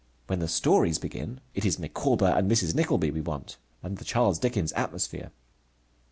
When the stories begin, it is Micawber and Mrs. Nickleby we want, and the Charles Dickens atmosphere.